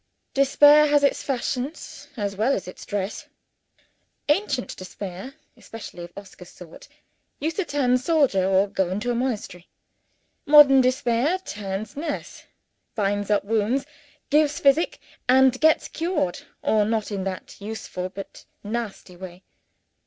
Despair has its fashions, as well as dress. Ancient despair (especially of Oscar's sort) used to turn soldier, or go into a monastery. Modern despair turns nurse; binds up wounds, gives physic, and gets cured or not in that useful but nasty way.